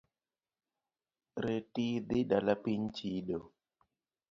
Reti idhi dala piny chido.